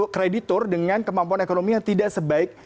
kreditur dengan kemampuan ekonomi yang tidak sebaik